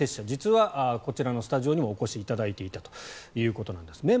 実はこのスタジオにもお越しいただいていたということです。